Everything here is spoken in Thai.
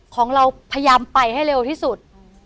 ของเราพยายามไปให้เร็วที่สุด